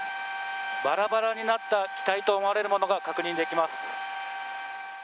ばらばらになった機体と思われるものが確認できます。